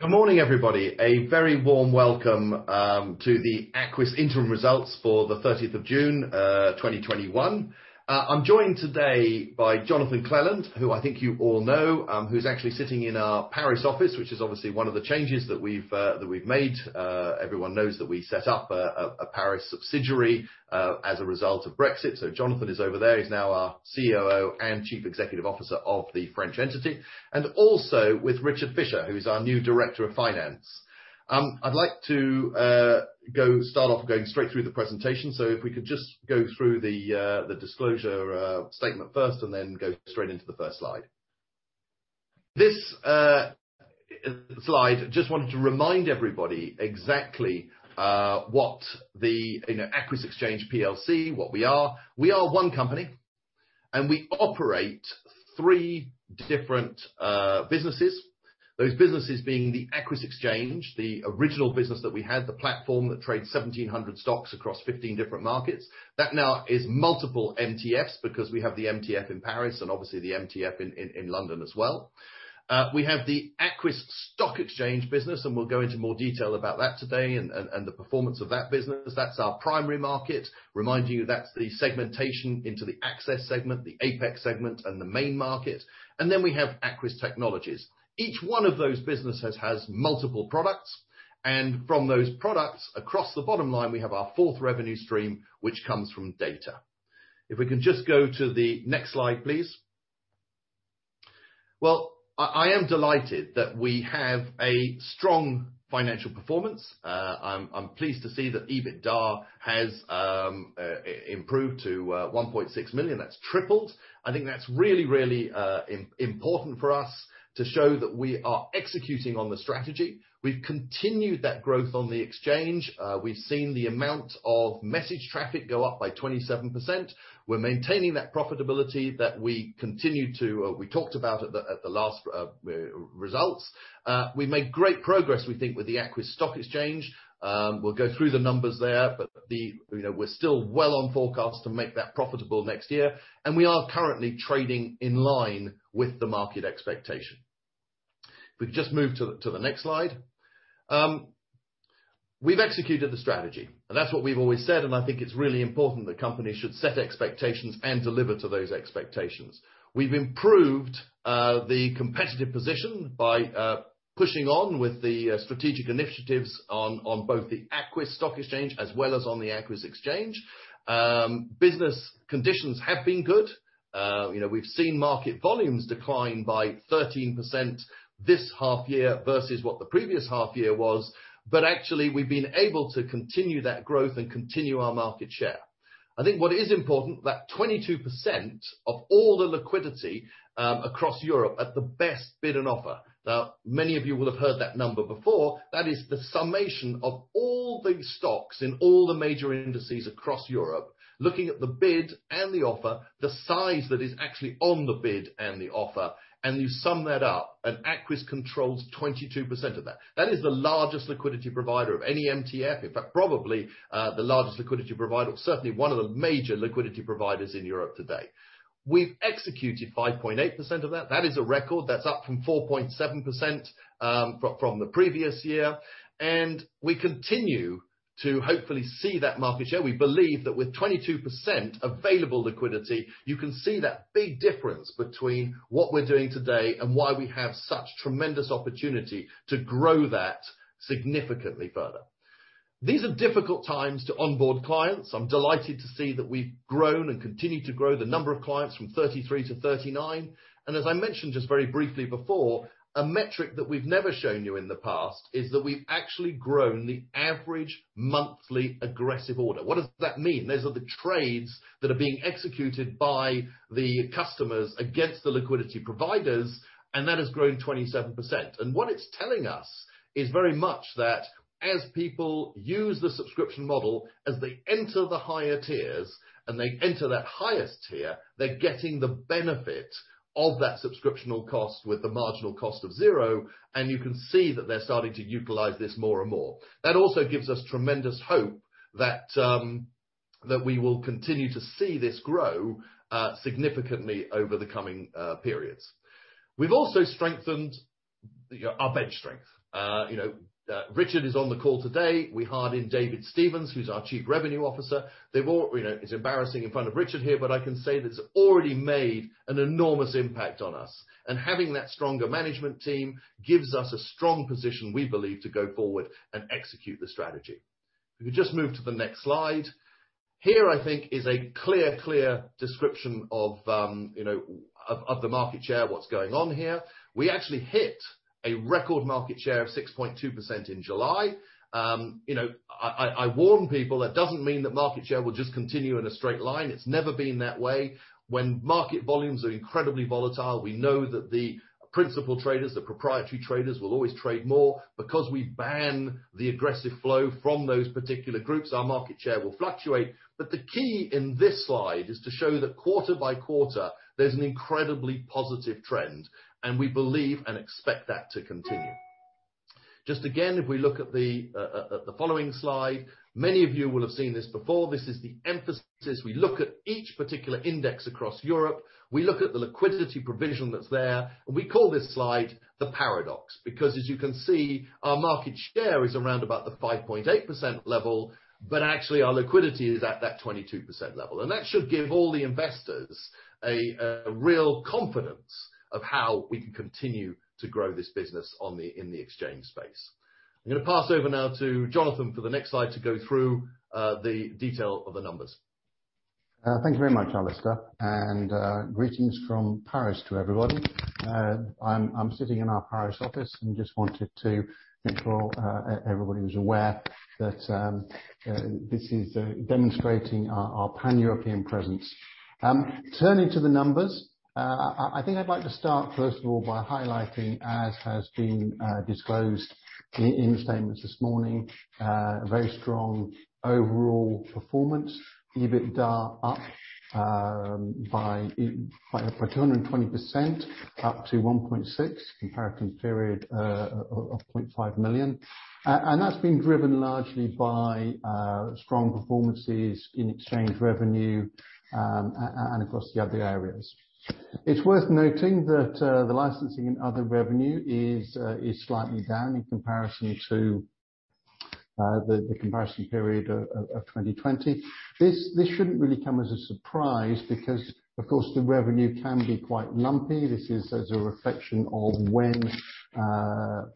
Good morning, everybody. A very warm welcome to the Aquis interim results for the 30th of June 2021. I'm joined today by Jonathan Clelland, who I think you all know, who's actually sitting in our Paris office, which is obviously one of the changes that we've made. Everyone knows that we set up a Paris subsidiary as a result of Brexit. Jonathan is over there. He's now our COO and Chief Executive Officer of the French entity, and also with Richard Fisher, who's our new Director of Finance. I'd like to start off going straight through the presentation. If we could just go through the disclosure statement first and then go straight into the first slide. This slide, just wanted to remind everybody exactly what the Aquis Exchange PLC, what we are. We are one company, and we operate three different businesses. Those businesses being the Aquis Exchange, the original business that we had, the platform that trades 1,700 stocks across 15 different markets. That now is multiple MTFs because we have the MTF in Paris and obviously the MTF in London as well. We have the Aquis Stock Exchange business, and we'll go into more detail about that today and the performance of that business. That's our primary market. Remind you, that's the segmentation into the Access segment, the Apex segment, and the Main Market. We have Aquis Technologies. Each one of those businesses has multiple products, from those products, across the bottom line, we have our fourth revenue stream, which comes from data. If we can just go to the next slide, please. I am delighted that we have a strong financial performance. I'm pleased to see that EBITDA has improved to 1.6 million. That's tripled. I think that's really important for us to show that we are executing on the strategy. We've continued that growth on the exchange. We've seen the amount of message traffic go up by 27%. We're maintaining that profitability that we talked about at the last results. We made great progress, we think, with the Aquis Stock Exchange. We'll go through the numbers there, but we're still well on forecast to make that profitable next year, and we are currently trading in line with the market expectation. If we could just move to the next slide. We've executed the strategy, and that's what we've always said, and I think it's really important that companies should set expectations and deliver to those expectations. We've improved the competitive position by pushing on with the strategic initiatives on both the Aquis Stock Exchange as well as on the Aquis Exchange. Business conditions have been good. We've seen market volumes decline by 13% this half year versus what the previous half year was. Actually, we've been able to continue that growth and continue our market share. I think what is important, that 22% of all the liquidity across Europe at the best bid and offer. Now, many of you will have heard that number before. That is the summation of all the stocks in all the major indices across Europe. Looking at the bid and the offer, the size that is actually on the bid and the offer, and you sum that up, and Aquis controls 22% of that. That is the largest liquidity provider of any MTF, in fact, probably the largest liquidity provider, certainly one of the major liquidity providers in Europe today. We've executed 5.8% of that. That is a record. That's up from 4.7% from the previous year. We continue to hopefully see that market share. We believe that with 22% available liquidity, you can see that big difference between what we're doing today and why we have such tremendous opportunity to grow that significantly further. These are difficult times to onboard clients. I'm delighted to see that we've grown and continued to grow the number of clients from 33 to 39. As I mentioned just very briefly before, a metric that we've never shown you in the past is that we've actually grown the average monthly aggressive order. What does that mean? Those are the trades that are being executed by the customers against the liquidity providers, and that has grown 27%. What it's telling us is very much that as people use the subscription model, as they enter the higher tiers, and they enter that highest tier, they're getting the benefit of that subscription cost with the marginal cost of zero, and you can see that they're starting to utilize this more and more. That also gives us tremendous hope that we will continue to see this grow significantly over the coming periods. We've also strengthened our bench strength. Richard is on the call today. We hired in David Stevens, who's our Chief Revenue Officer. It's embarrassing in front of Richard here, but I can say that it's already made an enormous impact on us, and having that stronger management team gives us a strong position, we believe, to go forward and execute the strategy. If we could just move to the next slide. Here I think is a clear description of the market share, what's going on here. We actually hit a record market share of 6.2% in July. I warn people, that doesn't mean that market share will just continue in a straight line. It's never been that way. When market volumes are incredibly volatile, we know that the principal traders, the proprietary traders, will always trade more. Because we ban the aggressive flow from those particular groups, our market share will fluctuate. The key in this slide is to show that quarter by quarter, there's an incredibly positive trend, and we believe and expect that to continue. Just again, if we look at the following slide, many of you will have seen this before. This is the emphasis. We look at each particular index across Europe. We look at the liquidity provision that's there, and we call this slide the paradox, because as you can see, our market share is around about the 5.8% level, but actually, our liquidity is at that 22% level. That should give all the investors a real confidence of how we can continue to grow this business in the exchange space. I'm going to pass over now to Jonathan for the next slide to go through the detail of the numbers. Thank you very much, Alasdair, and greetings from Paris to everybody. I'm sitting in our Paris office and just wanted to make sure everybody was aware that this is demonstrating our pan-European presence. Turning to the numbers, I think I'd like to start, first of all, by highlighting, as has been disclosed in the statements this morning, a very strong overall performance. EBITDA up by 220%, up to 1.6 million in comparison period of 0.5 million. That's been driven largely by strong performances in exchange revenue and across the other areas. It's worth noting that the licensing and other revenue is slightly down in comparison to the comparison period of 2020. This shouldn't really come as a surprise because, of course, the revenue can be quite lumpy. This is as a reflection of when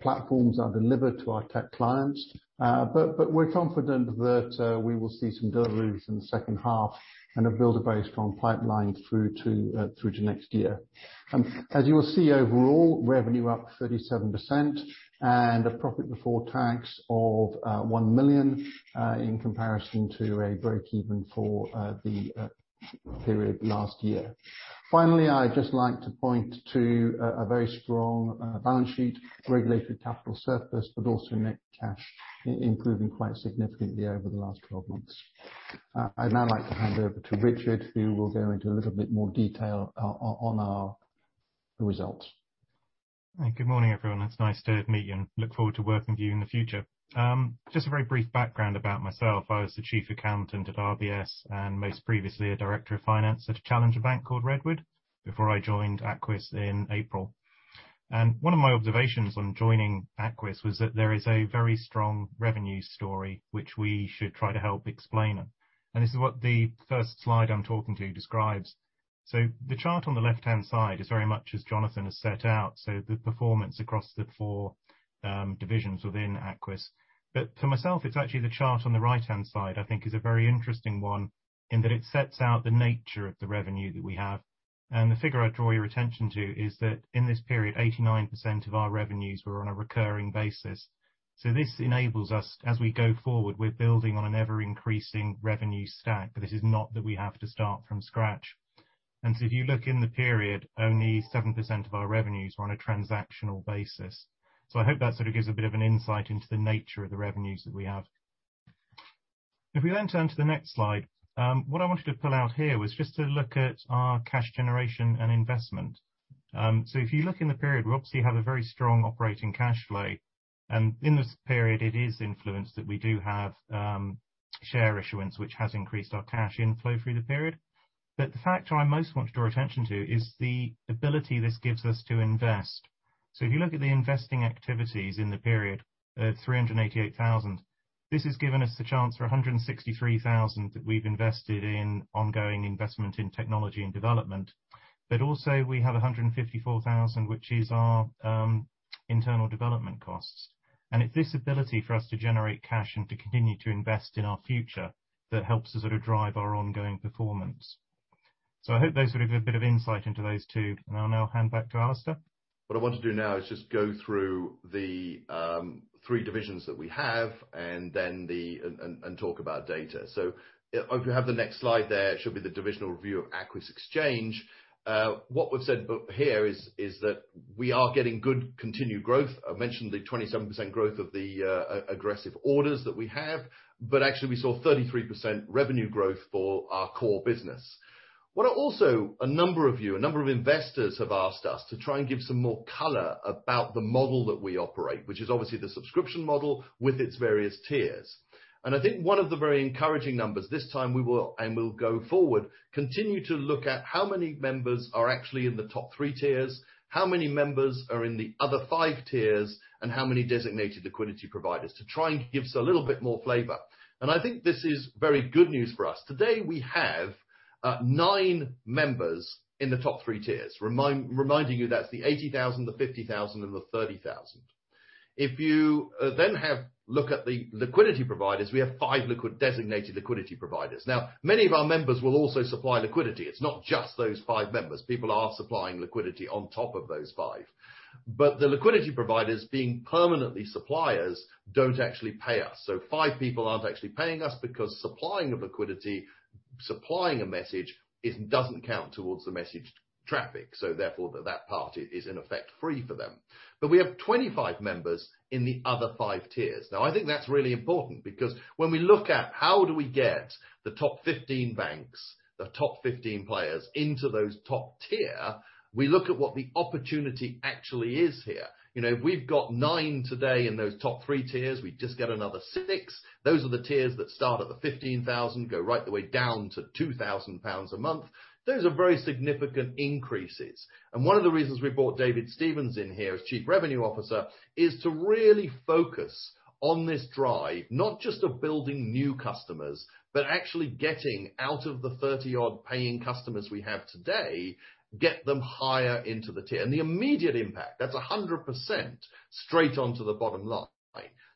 platforms are delivered to our tech clients. We're confident that we will see some deliveries in the second half and have built a very strong pipeline through to next year. As you will see, overall, revenue up 37%, and a profit before tax of 1 million in comparison to a break-even for the period last year. Finally, I'd just like to point to a very strong balance sheet, regulated capital surplus, but also net cash improving quite significantly over the last 12 months. I'd now like to hand over to Richard, who will go into a little bit more detail on our results. Good morning, everyone. It's nice to meet you and look forward to working with you in the future. Just a very brief background about myself. I was the chief accountant at RBS and most previously, a director of finance at a challenger bank called Redwood before I joined Aquis in April. One of my observations on joining Aquis was that there is a very strong revenue story, which we should try to help explain. This is what the first slide I'm talking to describes. The chart on the left-hand side is very much as Jonathan has set out, so the performance across the four divisions within Aquis. For myself, it's actually the chart on the right-hand side I think is a very interesting one in that it sets out the nature of the revenue that we have. The figure I draw your attention to is that in this period, 89% of our revenues were on a recurring basis. This enables us, as we go forward, we're building on an ever-increasing revenue stack. This is not that we have to start from scratch. If you look in the period, only 7% of our revenues were on a transactional basis. I hope that gives a bit of an insight into the nature of the revenues that we have. If we turn to the next slide, what I wanted to pull out here was just to look at our cash generation and investment. If you look in the period, we obviously have a very strong operating cash flow. In this period, it is influenced that we do have share issuance, which has increased our cash inflow through the period. The factor I most want to draw attention to is the ability this gives us to invest. If you look at the investing activities in the period of 388,000, this has given us the chance for 163,000 that we've invested in ongoing investment in technology and development. Also, we have 154,000, which is our internal development costs. It's this ability for us to generate cash and to continue to invest in our future that helps us drive our ongoing performance. I hope those give a bit of insight into those two, and I'll now hand back to Alasdair. What I want to do now is just go through the three divisions that we have and talk about data. If you have the next slide there, it should be the divisional review of Aquis Exchange. What we've said here is that we are getting good continued growth. I mentioned the 27% growth of the aggressive orders that we have, but actually, we saw 33% revenue growth for our core business. What a number of you, a number of investors have asked us to try and give some more color about the model that we operate, which is obviously the subscription model with its various tiers. I think one of the very encouraging numbers this time we will, and will go forward, continue to look at how many members are actually in the top 3 tiers, how many members are in the other 5 tiers, and how many designated liquidity providers to try and give us a little bit more flavor. I think this is very good news for us. Today, we have nine members in the top 3 tiers. Reminding you, that's the 80,000, the 50,000, and the 30,000. If you then look at the liquidity providers, we have five designated liquidity providers. Now, many of our members will also supply liquidity. It's not just those five members. People are supplying liquidity on top of those five. The liquidity providers, being permanently suppliers, don't actually pay us. 5 people aren't actually paying us because supplying the liquiditySupplying a message doesn't count towards the message traffic, so therefore that party is in effect free for them. We have 25 members in the other 5 tiers. I think that's really important because when we look at how do we get the top 15 banks, the top 15 players into those top tier, we look at what the opportunity actually is here. We've got 9 today in those top 3 tiers. We just get another 6. Those are the tiers that start at the 15,000, go right the way down to 2,000 pounds a month. Those are very significant increases. One of the reasons we brought David Stevens in here as Chief Revenue Officer is to really focus on this drive, not just of building new customers, but actually getting out of the 30-odd paying customers we have today, get them higher into the tier. The immediate impact, that's 100% straight onto the bottom line.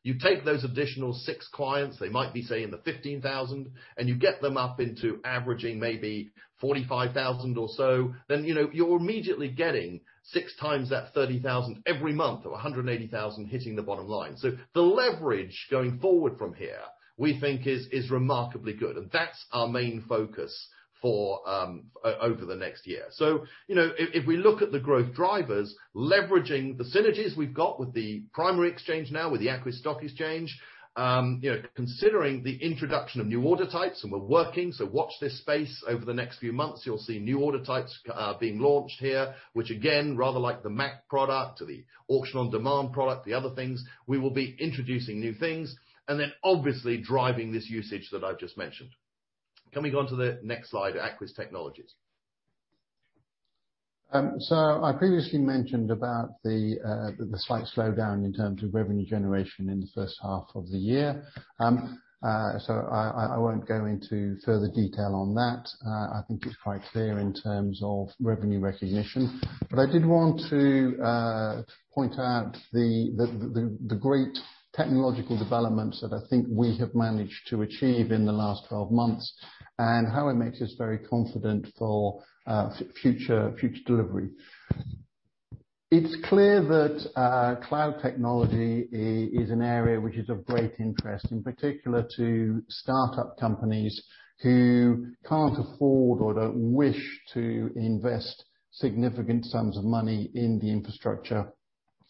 You take those additional six clients, they might be, say, in the 15,000, and you get them up into averaging maybe 45,000 or so, then you're immediately getting six times that 30,000 every month, or 180,000 hitting the bottom line. The leverage going forward from here we think is remarkably good, and that's our main focus for over the next year. If we look at the growth drivers, leveraging the synergies we've got with the primary exchange now, with the Aquis Stock Exchange, considering the introduction of new order types, and we're working, so watch this space. Over the next few months, you'll see new order types being launched here, which again, rather like the MaC product or the Auction on Demand product, the other things, we will be introducing new things, and then obviously driving this usage that I've just mentioned. Can we go on to the next slide, Aquis Technologies? I previously mentioned about the slight slowdown in terms of revenue generation in the first half of the year. I won't go into further detail on that. I think it's quite clear in terms of revenue recognition. I did want to point out the great technological developments that I think we have managed to achieve in the last 12 months, and how it makes us very confident for future delivery. It's clear that cloud technology is an area which is of great interest, in particular to startup companies who can't afford or don't wish to invest significant sums of money in the infrastructure,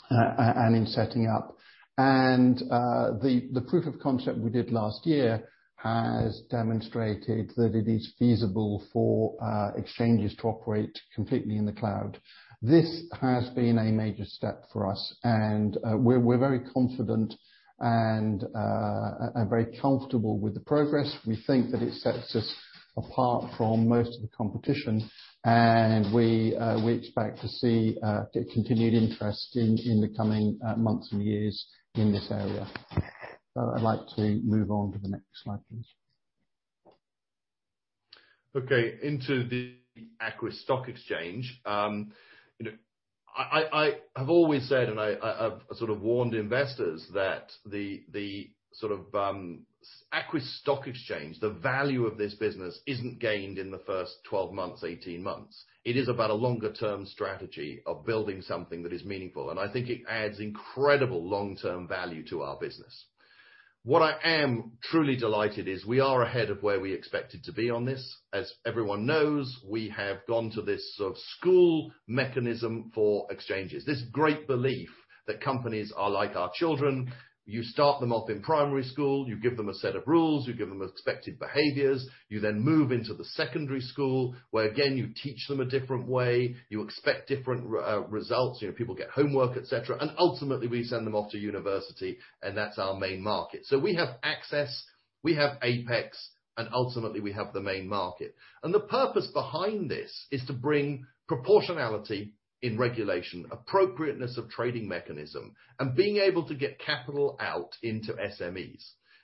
and in setting up. The proof of concept we did last year has demonstrated that it is feasible for exchanges to operate completely in the cloud. This has been a major step for us, and we're very confident and very comfortable with the progress. We think that it sets us apart from most of the competition, and we expect to see continued interest in the coming months and years in this area. I'd like to move on to the next slide, please. Okay, into the Aquis Stock Exchange. I have always said, and I have sort of warned investors that the Aquis Stock Exchange, the value of this business isn't gained in the first 12 months, 18 months. It is about a longer term strategy of building something that is meaningful. I think it adds incredible long-term value to our business. What I am truly delighted is we are ahead of where we expected to be on this. As everyone knows, we have gone to this sort of school mechanism for exchanges, this great belief that companies are like our children. You start them off in primary school, you give them a set of rules, you give them expected behaviors. You then move into the secondary school, where again, you teach them a different way, you expect different results. People get homework, et cetera. Ultimately, we send them off to university, and that's our Main Market. We have Access, we have Apex, and ultimately we have the Main Market. The purpose behind this is to bring proportionality in regulation, appropriateness of trading mechanism, and being able to get capital out into SMEs.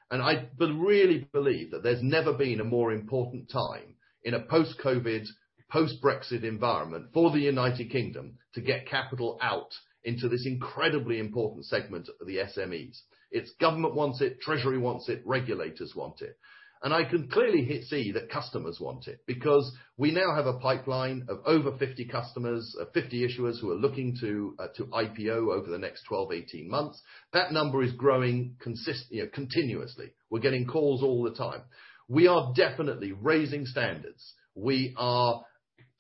I really believe that there's never been a more important time in a post-COVID, post-Brexit environment for the U.K. to get capital out into this incredibly important segment of the SMEs. Its government wants it, Treasury wants it, regulators want it. I can clearly see that customers want it, because we now have a pipeline of over 50 customers, 50 issuers who are looking to IPO over the next 12, 18 months. That number is growing continuously. We're getting calls all the time. We are definitely raising standards. We are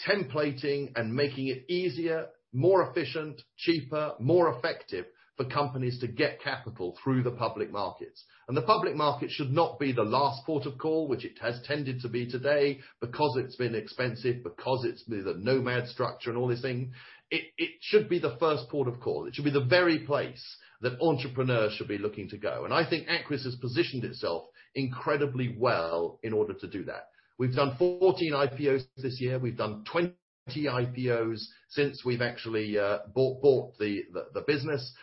templating and making it easier, more efficient, cheaper, more effective for companies to get capital through the public markets. The public market should not be the last port of call, which it has tended to be today because it's been expensive, because it's the Nomad structure and all this thing. It should be the first port of call. It should be the very place that entrepreneurs should be looking to go. I think Aquis has positioned itself incredibly well in order to do that. We've done 14 IPOs this year. We've done 20 IPOs since we've actually bought the business.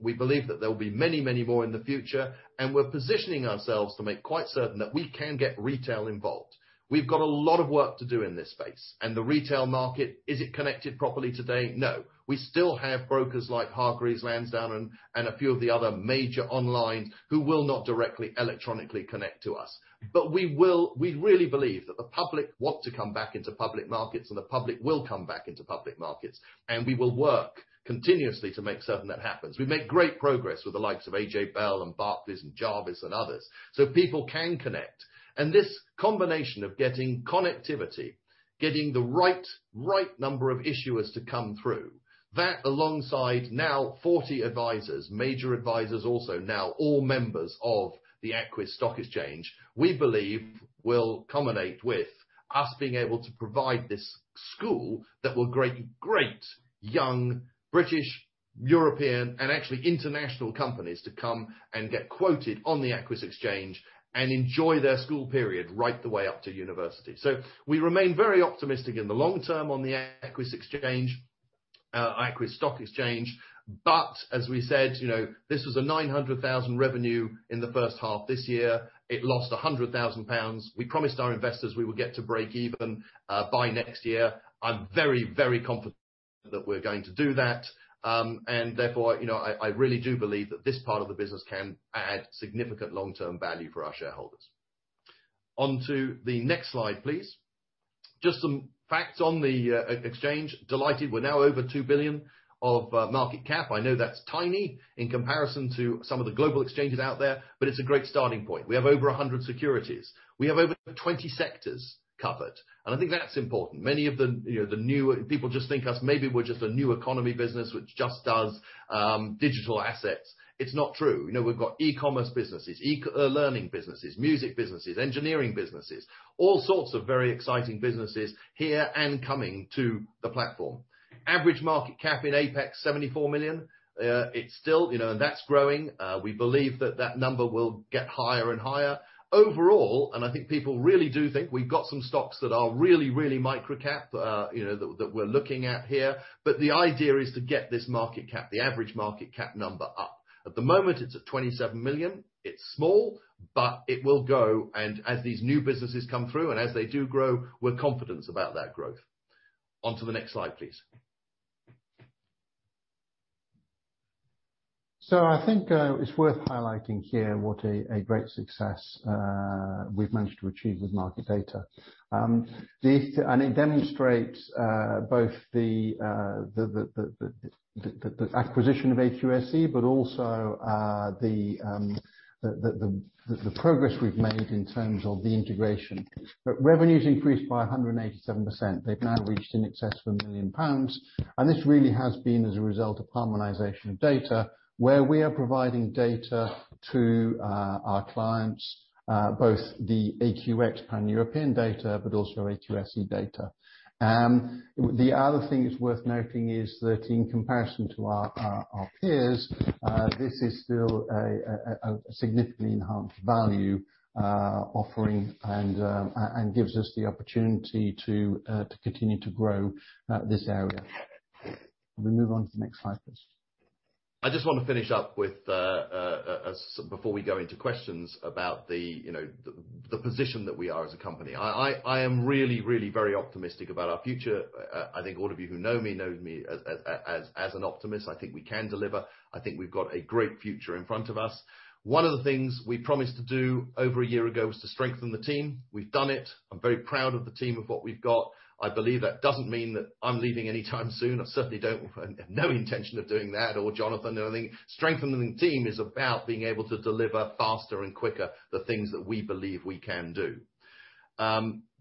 We believe that there will be many, many more in the future, and we're positioning ourselves to make quite certain that we can get retail involved. We've got a lot of work to do in this space. The retail market, is it connected properly today? No. We still have brokers like Hargreaves Lansdown and a few of the other major online who will not directly electronically connect to us. We really believe that the public want to come back into public markets, and the public will come back into public markets, and we will work continuously to make certain that happens. We make great progress with the likes of AJ Bell and Barclays and Jarvis and others, so people can connect. This combination of getting connectivity, getting the right number of issuers to come through, that alongside now 40 advisors, major advisors also now all members of the Aquis Stock Exchange, we believe will culminate with us being able to provide this school that will create great young British, European, and actually international companies to come and get quoted on the Aquis Exchange and enjoy their school period right the way up to university. We remain very optimistic in the long term on the Aquis Stock Exchange. As we said, this was a 900,000 revenue in the first half this year. It lost 100,000 pounds. We promised our investors we would get to break even by next year. I'm very, very confident that we're going to do that. Therefore, I really do believe that this part of the business can add significant long-term value for our shareholders. On to the next slide, please. Just some facts on the exchange. Delighted, we're now over 2 billion of market cap. I know that's tiny in comparison to some of the global exchanges out there, but it's a great starting point. We have over 100 securities. We have over 20 sectors covered, and I think that's important. Many of the new people just think maybe we're just a new economy business which just does digital assets. It's not true. We've got e-commerce businesses, e-learning businesses, music businesses, engineering businesses, all sorts of very exciting businesses here and coming to the platform. Average market cap in Apex, 74 million. That's growing. We believe that that number will get higher and higher. Overall, and I think people really do think we've got some stocks that are really, really microcap that we're looking at here. The idea is to get this market cap, the average market cap number up. At the moment, it's at 27 million. It's small, but it will go. As these new businesses come through and as they do grow, we're confident about that growth. On to the next slide, please. I think it's worth highlighting here what a great success we've managed to achieve with market data. It demonstrates both the acquisition of AQSE, but also the progress we've made in terms of the integration. Revenues increased by 187%. They've now reached in excess of 1 million pounds, and this really has been as a result of harmonization of data, where we are providing data to our clients, both the Aquis Pan-European data, but also AQSE data. The other thing that's worth noting is that in comparison to our peers, this is still a significantly enhanced value offering and gives us the opportunity to continue to grow this area. Can we move on to the next slide, please? I just want to finish up before we go into questions about the position that we are as a company. I am really, really very optimistic about our future. I think all of you who know me know me as an optimist. I think we can deliver. I think we've got a great future in front of us. One of the things we promised to do over a year ago was to strengthen the team. We've done it. I'm very proud of the team of what we've got. I believe that doesn't mean that I'm leaving anytime soon. I certainly have no intention of doing that or Jonathan or anything. Strengthening the team is about being able to deliver faster and quicker the things that we believe we can do.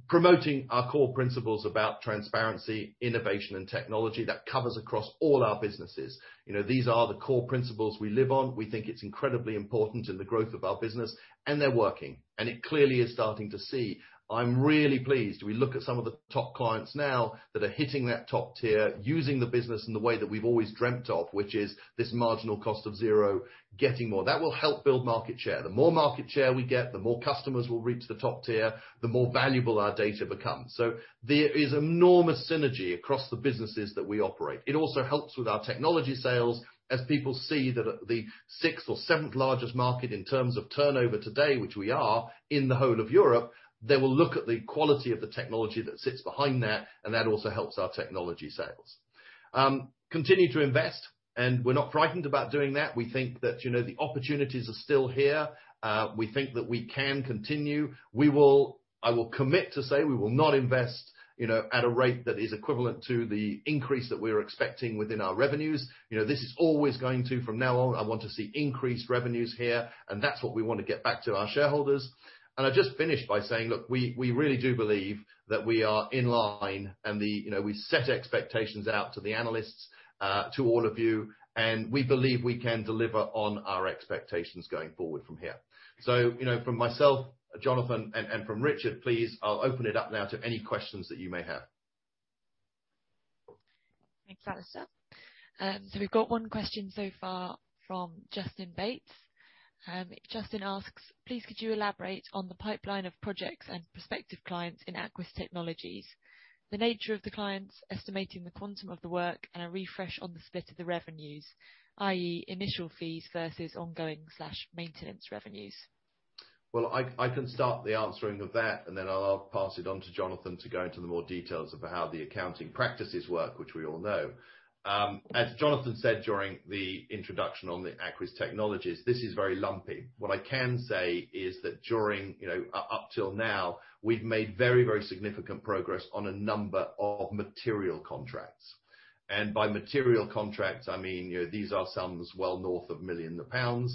Promoting our core principles about transparency, innovation, and technology, that covers across all our businesses. These are the core principles we live on. We think it's incredibly important in the growth of our business, they're working. It clearly is starting to see. I'm really pleased. We look at some of the top clients now that are hitting that top tier, using the business in the way that we've always dreamt of, which is this marginal cost of zero, getting more. That will help build market share. The more market share we get, the more customers will reach the top tier, the more valuable our data becomes. There is enormous synergy across the businesses that we operate. It also helps with our technology sales as people see that the sixth or seventh largest market in terms of turnover today, which we are in the whole of Europe, they will look at the quality of the technology that sits behind that, and that also helps our technology sales. Continue to invest. We're not frightened about doing that. We think that the opportunities are still here. We think that we can continue. I will commit to say we will not invest at a rate that is equivalent to the increase that we're expecting within our revenues. From now on, I want to see increased revenues here, and that's what we want to get back to our shareholders. I'll just finish by saying, look, we really do believe that we are in line, and we set expectations out to the analysts, to all of you, and we believe we can deliver on our expectations going forward from here. From myself, Jonathan, and from Richard, please, I'll open it up now to any questions that you may have. Thanks, Alasdair. We've got 1 question so far from Justin Bates. Justin asks, "Please could you elaborate on the pipeline of projects and prospective clients in Aquis Technologies, the nature of the clients, estimating the quantum of the work, and a refresh on the split of the revenues, i.e., initial fees versus ongoing/maintenance revenues? I can start the answering of that, then I'll pass it on to Jonathan to go into the more details about how the accounting practices work, which we all know. As Jonathan said during the introduction on the Aquis Technologies, this is very lumpy. What I can say is that up till now, we've made very, very significant progress on a number of material contracts. By material contracts, I mean these are sums well north of million of pounds.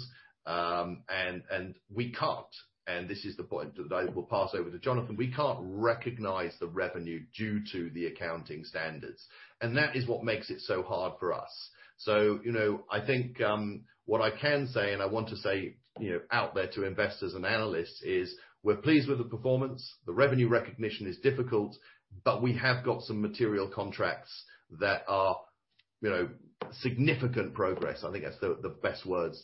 We can't, and this is the point that I will pass over to Jonathan, we can't recognize the revenue due to the accounting standards. That is what makes it so hard for us. I think what I can say, and I want to say out there to investors and analysts is, we're pleased with the performance. The revenue recognition is difficult, but we have got some material contracts that are significant progress, I think that's the best words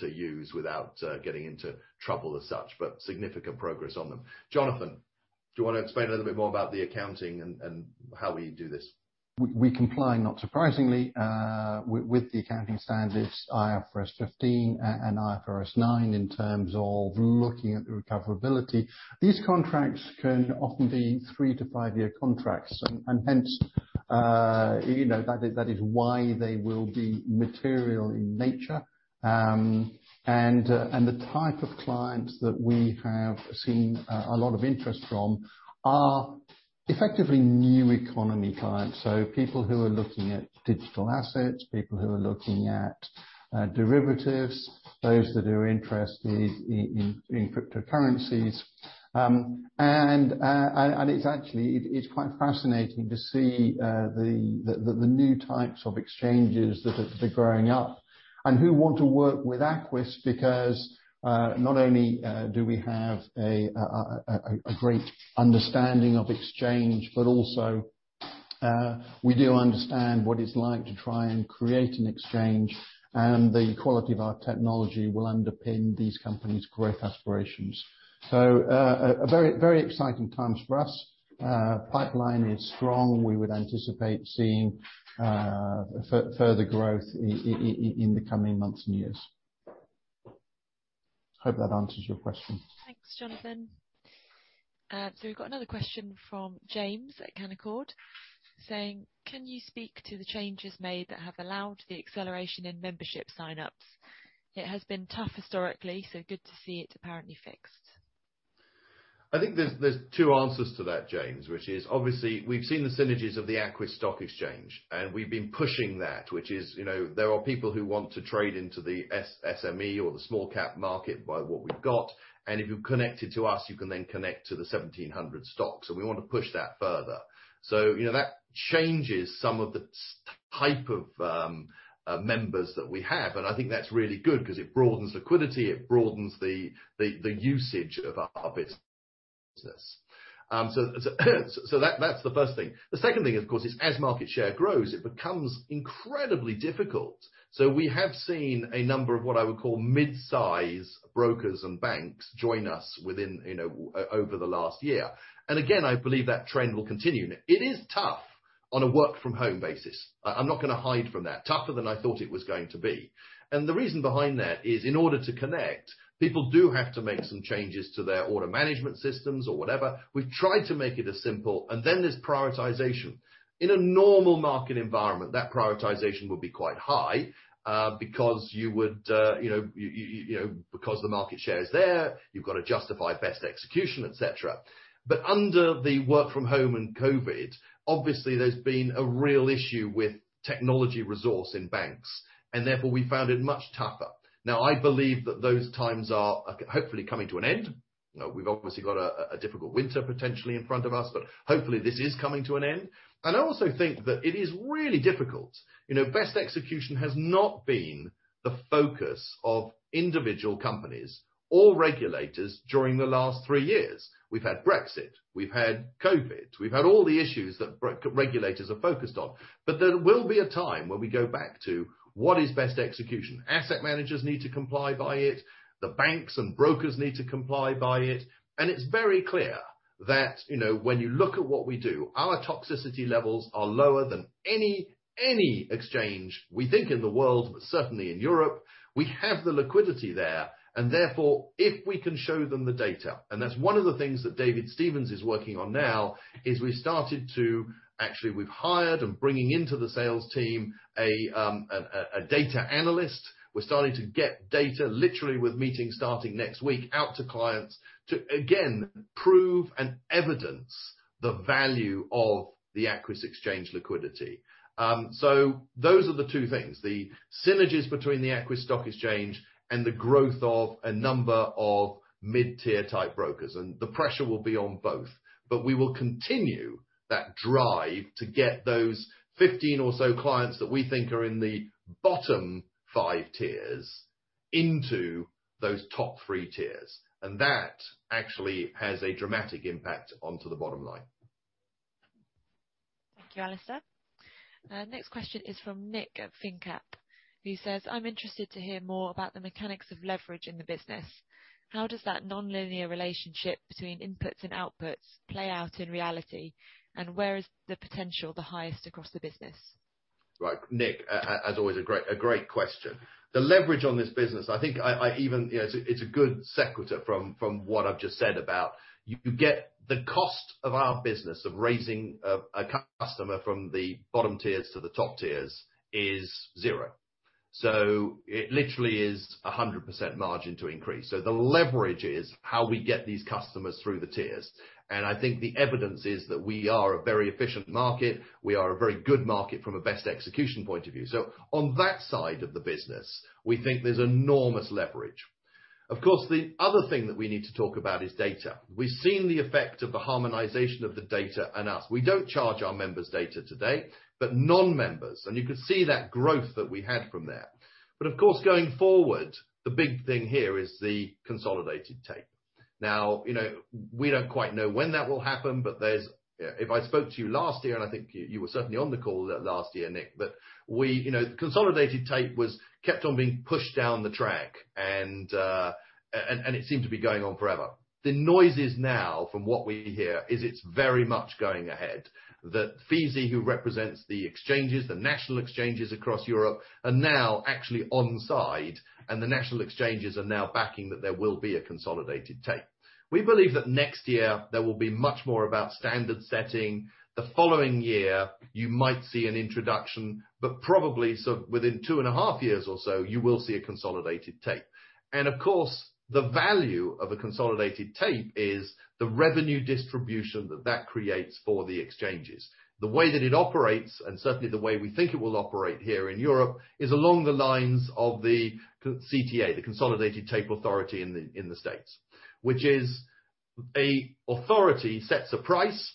to use without getting into trouble as such, but significant progress on them. Jonathan, do you want to explain a little bit more about the accounting and how we do this? We comply, not surprisingly, with the accounting standards IFRS 15 and IFRS 9 in terms of looking at the recoverability. These contracts can often be three to five-year contracts. Hence, that is why they will be material in nature. The type of clients that we have seen a lot of interest from are effectively new economy clients. People who are looking at digital assets, people who are looking at derivatives, those that are interested in cryptocurrencies. It's actually quite fascinating to see the new types of exchanges that are growing up and who want to work with Aquis because, not only do we have a great understanding of exchange, but also we do understand what it's like to try and create an exchange, and the quality of our technology will underpin these companies' growth aspirations. Very exciting times for us. Pipeline is strong. We would anticipate seeing further growth in the coming months and years. Hope that answers your question. Thanks, Jonathan. We've got another question from James at Canaccord saying, "Can you speak to the changes made that have allowed the acceleration in membership sign-ups? It has been tough historically, so good to see it apparently fixed. I think there's two answers to that, James, which is obviously we've seen the synergies of the Aquis Stock Exchange, and we've been pushing that, which is there are people who want to trade into the SME or the small cap market by what we've got. If you're connected to us, you can then connect to the 1,700 stocks, and we want to push that further. That changes some of the type of members that we have, and I think that's really good because it broadens liquidity, it broadens the usage of our business. That's the first thing. The second thing, of course, is as market share grows, it becomes incredibly difficult. We have seen a number of what I would call mid-size brokers and banks join us within over the last year. Again, I believe that trend will continue. It is tough on a work from home basis. I'm not going to hide from that. Tougher than I thought it was going to be. The reason behind that is in order to connect, people do have to make some changes to their order management systems or whatever. We've tried to make it as simple, and then there's prioritization. In a normal market environment, that prioritization would be quite high because the market share is there, you've got to justify best execution, et cetera. Under the work from home and COVID, obviously there's been a real issue with technology resource in banks, and therefore we found it much tougher. I believe that those times are hopefully coming to an end. We've obviously got a difficult winter potentially in front of us, but hopefully this is coming to an end. I also think that it is really difficult. Best execution has not been the focus of individual companies or regulators during the last three years. We've had Brexit, we've had COVID, we've had all the issues that regulators are focused on. There will be a time when we go back to what is best execution. Asset managers need to comply by it. The banks and brokers need to comply by it. It's very clear that when you look at what we do, our toxicity levels are lower than any exchange we think in the world, but certainly in Europe. We have the liquidity there, and therefore, if we can show them the data, and that's one of the things that David Stevens is working on now, is we started to actually, we've hired and bringing into the sales team a data analyst. We're starting to get data literally with meetings starting next week out to clients to again, prove and evidence the value of the Aquis Exchange liquidity. Those are the two things, the synergies between the Aquis Stock Exchange and the growth of a number of mid-tier type brokers. The pressure will be on both. We will continue that drive to get those 15 or so clients that we think are in the bottom 5 tiers into those top 3 tiers. That actually has a dramatic impact onto the bottom line. Thank you, Alasdair. Next question is from Nick at finnCap. He says, "I'm interested to hear more about the mechanics of leverage in the business. How does that nonlinear relationship between inputs and outputs play out in reality? Where is the potential the highest across the business? Right. Nick, as always, a great question. The leverage on this business, I think it's a good sequitur from what I've just said about you get the cost of our business of raising a customer from the bottom tiers to the top tiers is zero. It literally is 100% margin to increase. The leverage is how we get these customers through the tiers. I think the evidence is that we are a very efficient market. We are a very good market from a best execution point of view. On that side of the business, we think there's enormous leverage. Of course, the other thing that we need to talk about is data. We've seen the effect of the harmonization of the data and us. We don't charge our members data today, but non-members, and you could see that growth that we had from there. Of course, going forward, the big thing here is the consolidated tape. We don't quite know when that will happen, but if I spoke to you last year, and I think you were certainly on the call last year, Nick, consolidated tape was kept on being pushed down the track, and it seemed to be going on forever. The noise is now, from what we hear, is it's very much going ahead. FESE, who represents the exchanges, the national exchanges across Europe, are now actually on side, and the national exchanges are now backing that there will be a consolidated tape. We believe that next year there will be much more about standard setting. The following year, you might see an introduction, but probably within two and a half years or so, you will see a consolidated tape. Of course, the value of a consolidated tape is the revenue distribution that that creates for the exchanges. The way that it operates, and certainly the way we think it will operate here in Europe, is along the lines of the CTA, the Consolidated Tape Association in the States, which is an authority sets a price.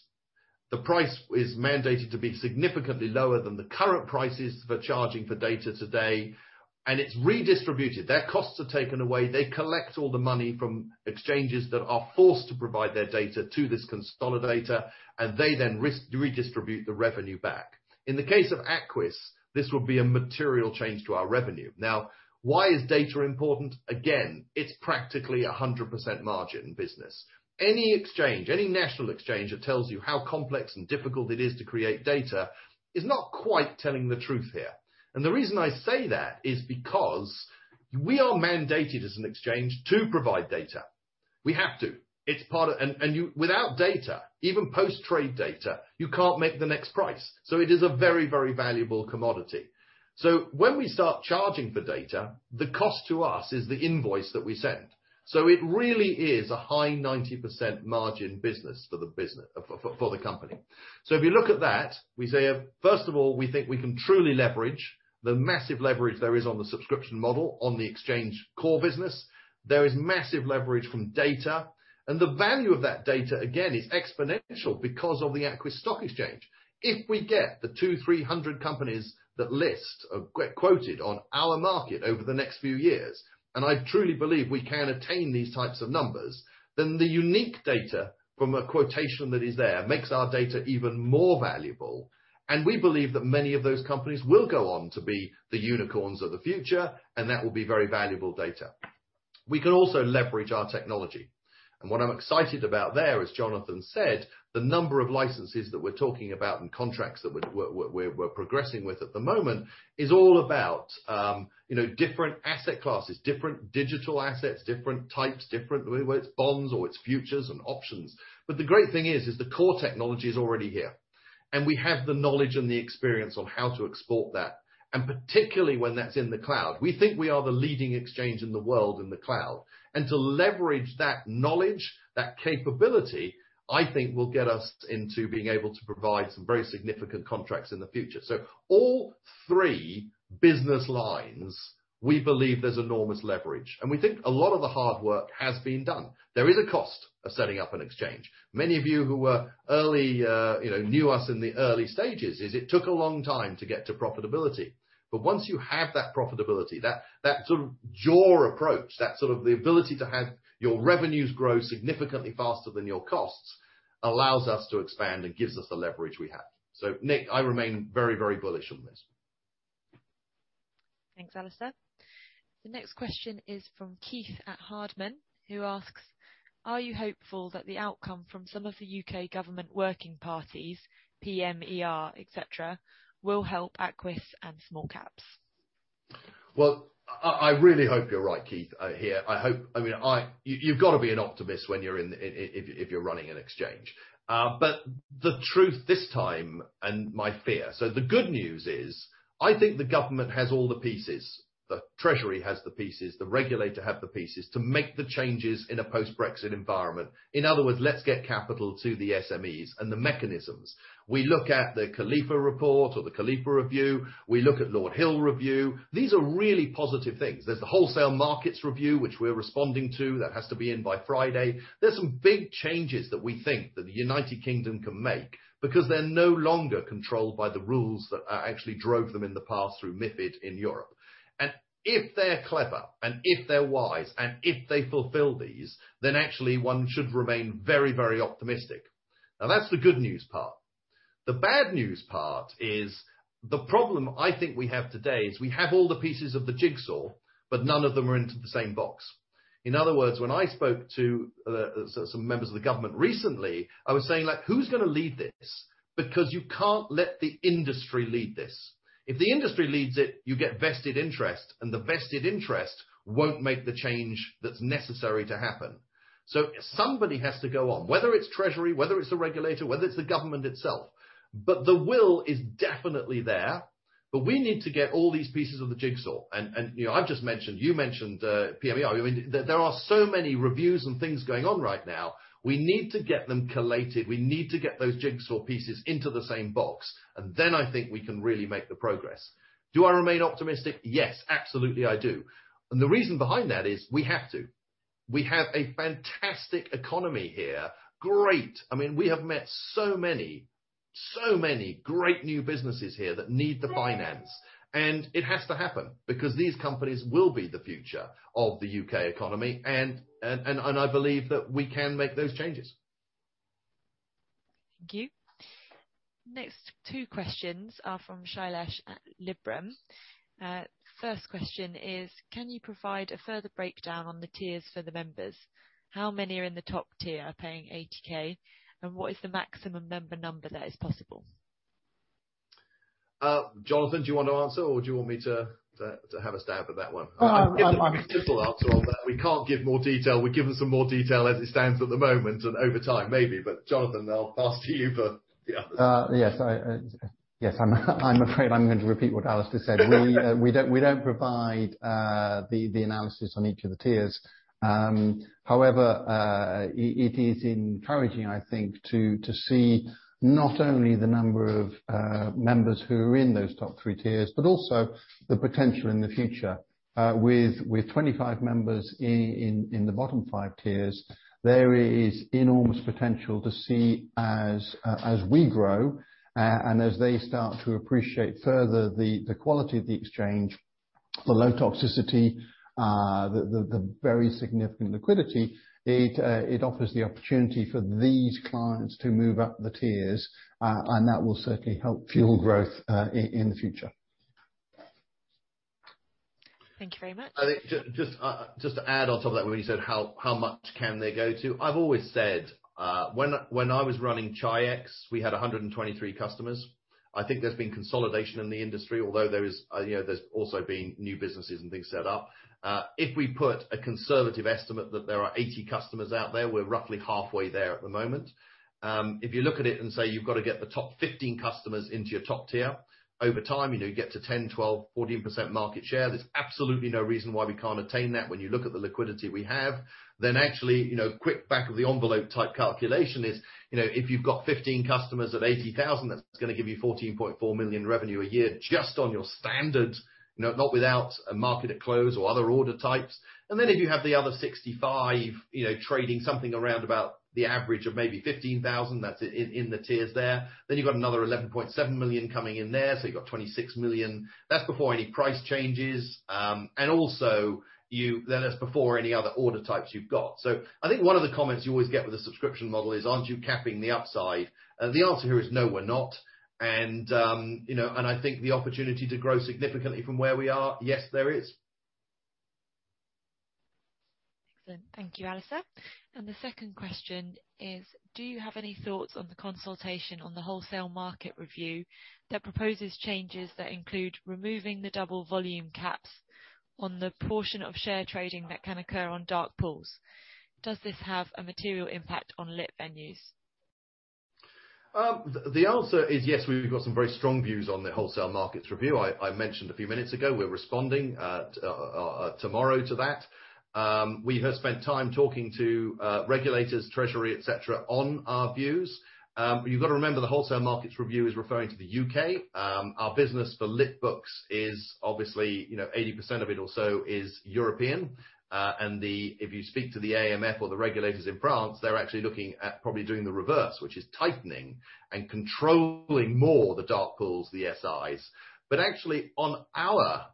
The price is mandated to be significantly lower than the current prices for charging for data today, and it's redistributed. Their costs are taken away. They collect all the money from exchanges that are forced to provide their data to this consolidator, and they then redistribute the revenue back. In the case of Aquis, this would be a material change to our revenue. Now, why is data important? Again, it's practically 100% margin business. Any exchange, any national exchange that tells you how complex and difficult it is to create data is not quite telling the truth here. The reason I say that is because we are mandated as an exchange to provide data. We have to. Without data, even post-trade data, you can't make the next price. It is a very, very valuable commodity. When we start charging for data, the cost to us is the invoice that we send. It really is a high 90% margin business for the company. If you look at that, we say, first of all, we think we can truly leverage the massive leverage there is on the subscription model on the exchange core business. There is massive leverage from data, and the value of that data, again, is exponential because of the Aquis Stock Exchange. If we get the 200, 300 companies that list or get quoted on our market over the next few years, I truly believe we can attain these types of numbers. The unique data from a quotation that is there makes our data even more valuable. We believe that many of those companies will go on to be the unicorns of the future. That will be very valuable data. We can also leverage our technology. What I'm excited about there, as Jonathan said, the number of licenses that we're talking about and contracts that we're progressing with at the moment is all about different asset classes, different digital assets, different types, whether it's bonds or it's futures and options. The great thing is, the core technology is already here. We have the knowledge and the experience on how to export that. Particularly when that's in the cloud. We think we are the leading exchange in the world in the cloud. To leverage that knowledge, that capability, I think will get us into being able to provide some very significant contracts in the future. All three business lines, we believe there's enormous leverage. We think a lot of the hard work has been done. There is a cost of setting up an exchange. Many of you who knew us in the early stages is it took a long time to get to profitability. Once you have that profitability, that sort of jaws approach, that sort of the ability to have your revenues grow significantly faster than your costs allows us to expand and gives us the leverage we have. Nick, I remain very, very bullish on this. Thanks, Alasdair. The next question is from Keith at Hardman, who asks: Are you hopeful that the outcome from some of the U.K. government working parties, PM, ER, etc., will help Aquis and small caps? I really hope you're right, Keith, here. You've got to be an optimist if you're running an exchange. The truth this time and my fear. The good news is, I think the government has all the pieces, the Treasury has the pieces, the regulators have the pieces to make the changes in a post-Brexit environment. In other words, let's get capital to the SMEs and the mechanisms. We look at the Kalifa Review or the Kalifa Review. We look at UK Listing Review. These are really positive things. There's the Wholesale Markets Review, which we're responding to. That has to be in by Friday. There's some big changes that we think that the United Kingdom can make because they're no longer controlled by the rules that actually drove them in the past through MiFID in Europe. If they're clever and if they're wise and if they fulfill these, then actually one should remain very, very optimistic. That's the good news part. The bad news part is the problem I think we have today is we have all the pieces of the jigsaw, but none of them are into the same box. In other words, when I spoke to some members of the government recently, I was saying, "Who's going to lead this?" You can't let the industry lead this. If the industry leads it, you get vested interest, and the vested interest won't make the change that's necessary to happen. Somebody has to go on, whether it's Treasury, whether it's the regulator, whether it's the government itself. The will is definitely there. We need to get all these pieces of the jigsaw, and I've just mentioned, you mentioned PME. There are so many reviews and things going on right now. We need to get them collated. We need to get those jigsaw pieces into the same box. I think we can really make the progress. Do I remain optimistic? Yes, absolutely I do. The reason behind that is we have to. We have a fantastic economy here. Great. We have met so many great new businesses here that need the finance. It has to happen because these companies will be the future of the U.K. economy. I believe that we can make those changes. Thank you. Next two questions are from Shailesh at Liberum. First question is, can you provide a further breakdown on the tiers for the members? How many are in the top tier are paying 80,000? What is the maximum member number that is possible? Jonathan, do you want to answer or do you want me to have a stab at that one? No, I'm- Give them a simple answer on that. We can't give more detail. We've given some more detail as it stands at the moment and over time maybe. Jonathan, I'll pass to you for the others. Yes. I'm afraid I'm going to repeat what Alasdair said. We don't provide the analysis on each of the tiers. However, it is encouraging, I think, to see not only the number of members who are in those top 3 tiers, but also the potential in the future. With 25 members in the bottom 5 tiers, there is enormous potential to see as we grow, and as they start to appreciate further the quality of the exchange, the low toxicity, the very significant liquidity. It offers the opportunity for these clients to move up the tiers, and that will certainly help fuel growth in the future. Thank you very much. Just to add on top of that, when you said how much can they go to, I've always said when I was running Chi-X, we had 123 customers. I think there's been consolidation in the industry, although there's also been new businesses and things set up. If we put a conservative estimate that there are 80 customers out there, we're roughly halfway there at the moment. If you look at it and say you've got to get the top 15 customers into your top tier, over time, you get to 10%, 12%, 14% market share. There's absolutely no reason why we can't attain that when you look at the liquidity we have. Actually, quick back of the envelope type calculation is, if you've got 15 customers at 80,000, that's going to give you 14.4 million revenue a year just on your standard, not without a Market at Close or other order types. If you have the other 65 trading something around about the average of maybe 15,000, that's in the tiers there, you've got another 11.7 million coming in there, so you've got 26 million. That's before any price changes. That's before any other order types you've got. I think one of the comments you always get with a subscription model is, aren't you capping the upside? The answer here is no, we're not. I think the opportunity to grow significantly from where we are, yes, there is. Excellent. Thank you, Alasdair. The second question is, do you have any thoughts on the consultation on the Wholesale Markets Review that proposes changes that include removing the Double Volume Caps on the portion of share trading that can occur on dark pools? Does this have a material impact on lit venues? The answer is yes, we've got some very strong views on the Wholesale Markets Review. I mentioned a few minutes ago, we're responding tomorrow to that. We have spent time talking to regulators, treasury, et cetera, on our views. You've got to remember, the Wholesale Markets Review is referring to the U.K. Our business for lit books is obviously, 80% of it or so is European. If you speak to the AMF or the regulators in France, they're actually looking at probably doing the reverse, which is tightening and controlling more the dark pools, the SIs. Actually, on our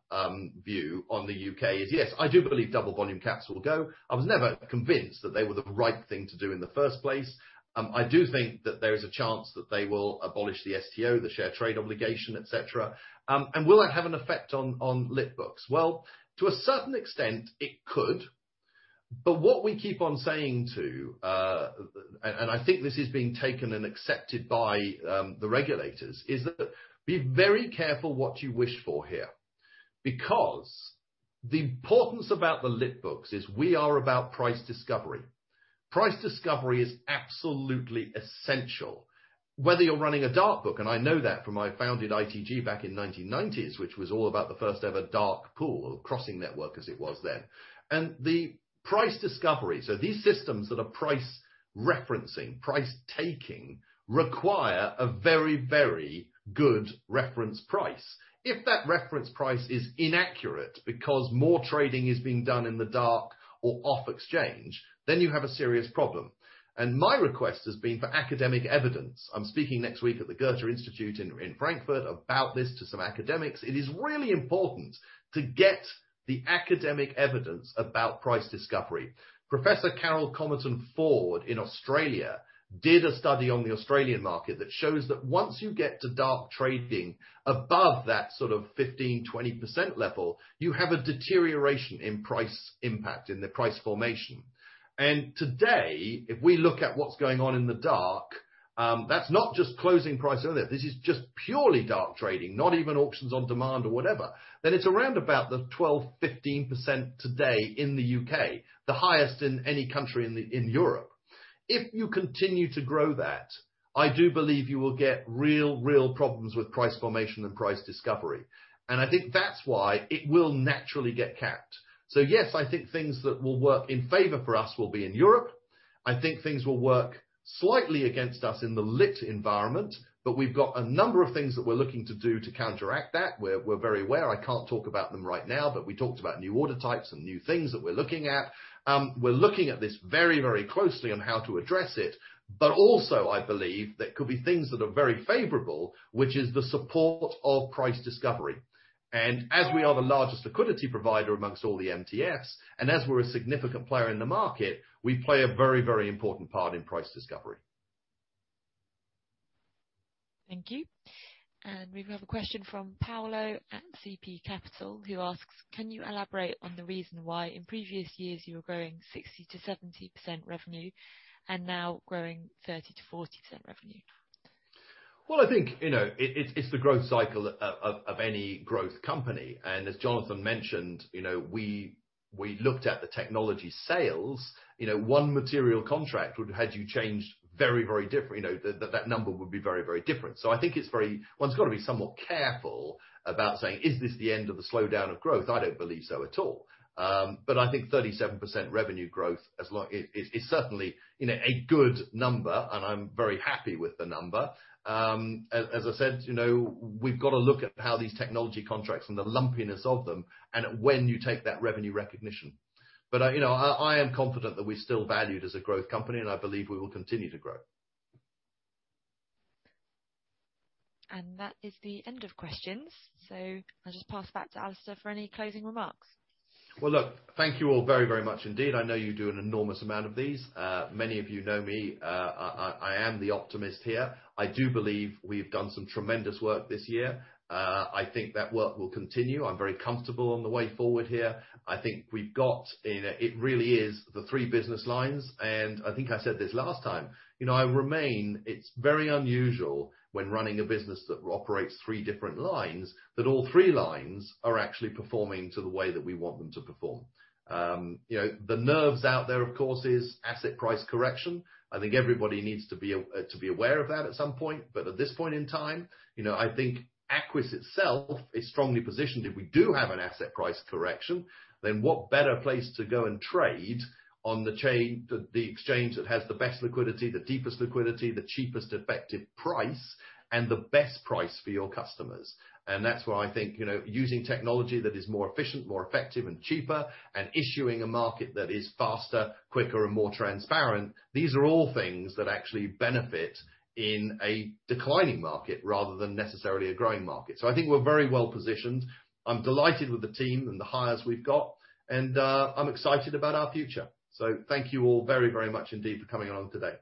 view on the U.K. is, yes, I do believe Double Volume Caps will go. I was never convinced that they were the right thing to do in the first place. I do think that there is a chance that they will abolish the STO, the Share Trading Obligation, et cetera. Will that have an effect on lit books? Well, to a certain extent it could, but what we keep on saying to, I think this is being taken and accepted by the regulators, is that be very careful what you wish for here, because the importance about the lit books is we are about price discovery. Price discovery is absolutely essential whether you're running a dark pool, I know that from I founded ITG back in 1990s, which was all about the first ever dark pool or crossing network as it was then. The price discovery, so these systems that are price referencing, price taking, require a very good reference price. If that reference price is inaccurate because more trading is being done in the dark or off exchange, then you have a serious problem. My request has been for academic evidence. I'm speaking next week at the Goethe University in Frankfurt about this to some academics. It is really important to get the academic evidence about price discovery. Professor Carole Comerton-Forde in Australia did a study on the Australian market that shows that once you get to dark trading above that sort of 15%-20% level, you have a deterioration in price impact in the price formation. Today, if we look at what's going on in the dark, that's not just closing price either. This is just purely dark trading, not even Auction on Demand or whatever. It's around about the 12%-15% today in the U.K., the highest in any country in Europe. If you continue to grow that, I do believe you will get real problems with price formation and price discovery. I think that's why it will naturally get capped. Yes, I think things that will work in favor for us will be in Europe. I think things will work slightly against us in the lit environment, but we've got a number of things that we're looking to do to counteract that. We're very aware. I can't talk about them right now, but we talked about new order types and new things that we're looking at. We're looking at this very closely on how to address it, but also, I believe there could be things that are very favorable, which is the support of price discovery. As we are the largest liquidity provider amongst all the MTFs, and as we're a significant player in the market, we play a very important part in price discovery. Thank you. We have a question from Paolo at CP Capital who asks: Can you elaborate on the reason why in previous years you were growing 60%-70% revenue and now growing 30%-40% revenue? Well, I think, it's the growth cycle of any growth company. As Jonathan mentioned, we looked at the technology sales. One material contract would have had you change, that number would be very different. I think one's got to be somewhat careful about saying, "Is this the end of the slowdown of growth?" I don't believe so at all. I think 37% revenue growth is certainly a good number, and I'm very happy with the number. As I said, we've got to look at how these technology contracts and the lumpiness of them, and at when you take that revenue recognition. I am confident that we're still valued as a growth company, and I believe we will continue to grow. That is the end of questions. I'll just pass back to Alasdair for any closing remarks. Well, look, thank you all very much indeed. I know you do an enormous amount of these. Many of you know me. I am the optimist here. I do believe we've done some tremendous work this year. I think that work will continue. I'm very comfortable on the way forward here. I think we've got It really is the three business lines. I think I said this last time. It's very unusual when running a business that operates three different lines, that all three lines are actually performing to the way that we want them to perform. The nerves out there, of course, is asset price correction. I think everybody needs to be aware of that at some point. At this point in time, I think Aquis itself is strongly positioned. If we do have an asset price correction, then what better place to go and trade on the exchange that has the best liquidity, the deepest liquidity, the cheapest effective price, and the best price for your customers. That's why I think, using technology that is more efficient, more effective, and cheaper, and issuing a market that is faster, quicker, and more transparent, these are all things that actually benefit in a declining market rather than necessarily a growing market. I think we're very well-positioned. I'm delighted with the team and the hires we've got, and I'm excited about our future. Thank you all very much indeed for coming on today.